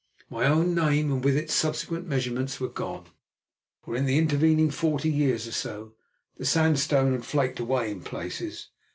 My own name and with it subsequent measurements were gone, for in the intervening forty years or so the sandstone had flaked away in places.